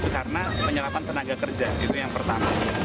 karena penyerapan tenaga kerja itu yang pertama